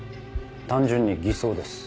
単純に偽装です。